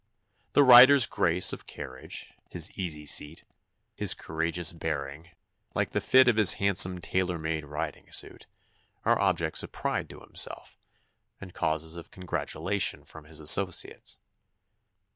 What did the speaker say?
The rider's grace of carriage, his easy seat, his courageous bearing, like the fit of his handsome tailor made riding suit, are objects of pride to himself, and causes of congratulation from his associates.